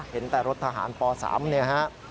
เห็นแต่รถทหารป๓เนี่ยฮะ